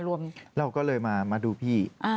เราก็เลยมาดูพี่